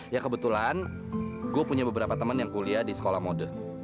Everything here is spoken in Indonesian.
ya kebetulan gue punya beberapa teman yang kuliah di sekolah mode